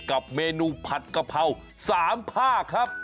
กับเมนูผัดกะเพรา๓ผ้าครับ